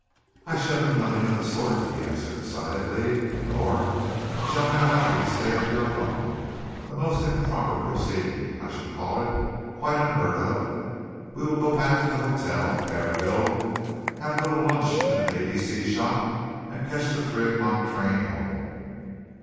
"I shall do nothing of the sort," he answered decidedly, "nor shall I allow you to stay up here alone a most improper proceeding, I should call it, quite unheard of. We will go back to the hotel, pay our bill, have a little lunch at an A B C shop, and catch the three o'clock train home."